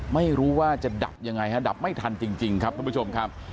ไม่รู้ว่าจะดับยังไงฮะดับไม่ทันจริงครับทุกผู้ชมครับ